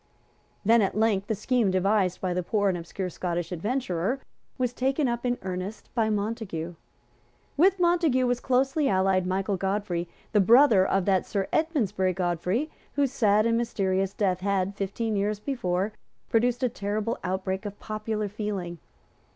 Then at length the scheme devised by the poor and obscure Scottish adventurer was taken up in earnest by Montague. With Montague was closely allied Michael Godfrey, the brother of that Sir Edmondsbury Godfrey whose sad and mysterious death had, fifteen years before, produced a terrible outbreak of popular feeling.